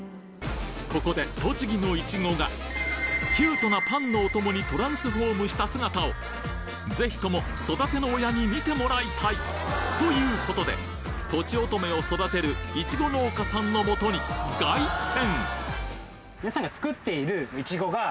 ここで栃木のイチゴがキュートなパンのお供にトランスフォームした姿をぜひとも育ての親に見てもらいたい！ということでとちおとめを育てるイチゴ農家さんのもとに凱旋！